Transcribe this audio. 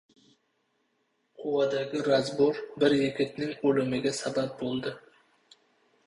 Quvadagi «razbor» bir yigitning o‘limiga sabab bo‘ldi